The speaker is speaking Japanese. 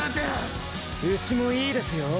うちもいいですよ。